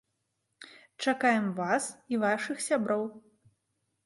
Чакаем вас і вашых сяброў!